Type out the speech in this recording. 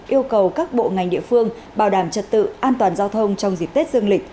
yêu cầu các bộ ngành địa phương bảo đảm trật tự an toàn giao thông trong dịp tết dương lịch